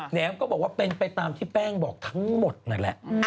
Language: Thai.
แมมก็บอกว่าเป็นไปตามที่แป้งบอกทั้งหมดนั่นแหละ